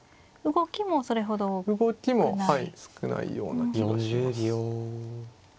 動きもはい少ないような気がします。